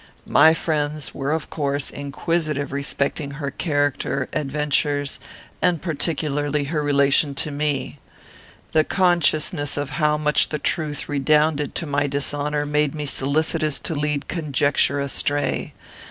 My friends were of course inquisitive respecting her character, adventures, and particularly her relation to me. The consciousness how much the truth redounded to my dishonour made me solicitous to lead conjecture astray.